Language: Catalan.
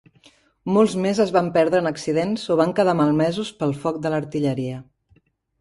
Molts més es van perdre en accidents o van quedar malmesos pel foc de l'artilleria.